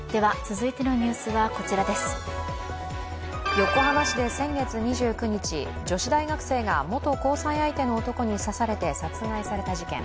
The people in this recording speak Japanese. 横浜市で先月２９日、女子大学生が元交際相手の男に刺されて殺害された事件。